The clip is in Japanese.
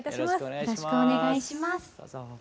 よろしくお願いします。